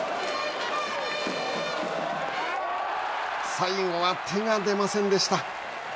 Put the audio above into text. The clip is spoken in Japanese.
最後は手が出ませんでした。